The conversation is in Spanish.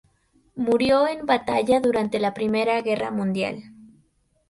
Murió en batalla durante la Primera Guerra Mundial.